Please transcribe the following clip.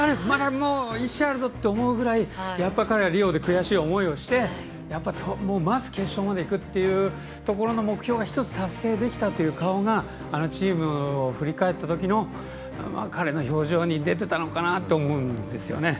もう１試合あるぞっていうくらいやっぱり彼はリオで悔しい思いをしてまず決勝までいくという目標が１つ達成できたという顔が振り返ったときの彼の表情に出てたのかなと思うんですね。